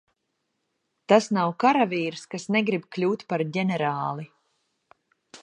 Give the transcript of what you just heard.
Tas nav karavīrs, kas negrib kļūt par ģenerāli.